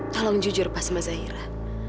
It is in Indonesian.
tolong jujur pa sama zaira